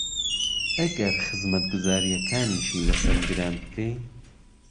ئهگهر خزمهتگوزارییهکانیشی لهسهر گران بکهی